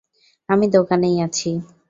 আমি দোকানেই আছি।